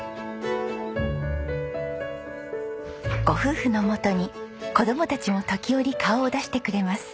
ご夫婦の元に子どもたちも時折顔を出してくれます。